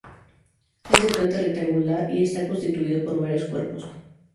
Es de planta rectangular y está constituido por varios cuerpos.